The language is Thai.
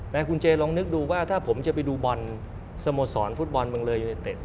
แต่คุณเจลองนึกดูว่าถ้าผมจะไปดูบอลสโมสรฟุตบอลเมืองเลยยูเนเต็ด